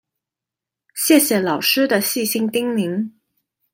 謝謝老師的細心叮嚀